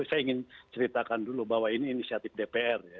saya ingin ceritakan dulu bahwa ini inisiatif dpr ya